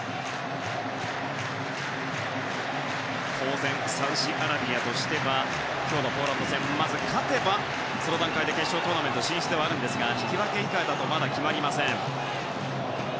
当然、サウジアラビアとしては今日のポーランド戦まず勝てば、その段階で決勝トーナメント進出ですが引き分け以下だとまだ決まりません。